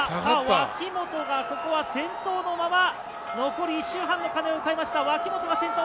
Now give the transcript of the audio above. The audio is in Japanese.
脇本がここは先頭のまま、残り１周半の鐘を迎えました、脇本が先頭！